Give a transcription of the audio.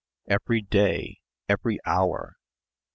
Every day ... every hour....